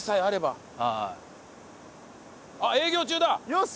よし！